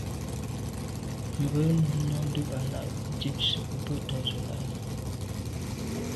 Mvə̌ nǔm nɔ́də́ bā lâ' ndíp zə̄ bū bə̂ tɔ̌ zə̄ lá' lá.